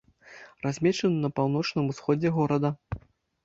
Размешчаны на паўночным усходзе горада.